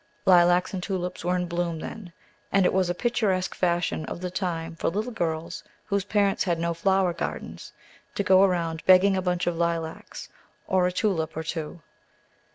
Lilacs and tulips were in bloom, then; and it was a picturesque fashion of the time for little girls whose parents had no flower gardens to go around begging a bunch of lilacs, or a tulip or two.